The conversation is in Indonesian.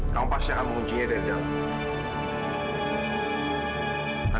kamu pasti akan menguncinya dari dalam